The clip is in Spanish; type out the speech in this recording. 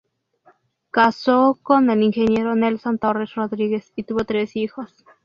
Casó con el ingeniero Nelson Torres Rodríguez y tuvo tres hijos.